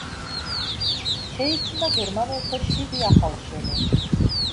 შეიქმნა გერმანელთა შვიდი ახალშენი.